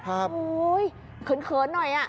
โอ้โหเขินหน่อย